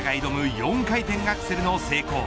４回転アクセルの成功。